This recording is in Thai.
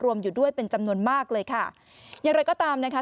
อยู่ด้วยเป็นจำนวนมากเลยค่ะอย่างไรก็ตามนะคะ